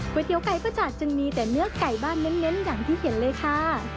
ก๋วยเตี๋ยวไก่ประจาธิ์จะมีแต่เนื้อไก่บ้านเน้นอย่างที่เห็นเลยค่ะ